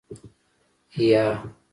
يه.